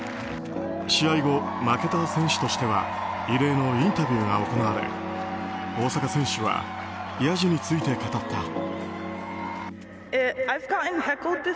試合後、負けた選手としては異例のインタビューが行われ大坂選手はやじについて語った。